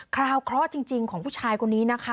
คราวเคราะห์จริงของผู้ชายคนนี้นะคะ